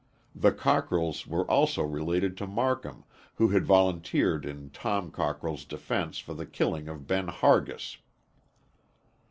The Cockrells were also related to Marcum, who had volunteered in Tom Cockrell's defense for the killing of Ben Hargis.